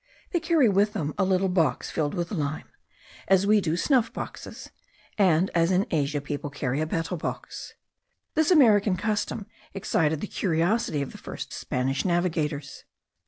They carry with them a little box filled with lime, as we do snuff boxes, and as in Asia people carry a betel box. This American custom excited the curiosity of the first Spanish navigators.